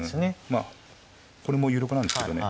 まあこれも有力なんですけどね。